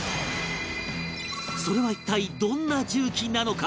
それは一体どんな重機なのか？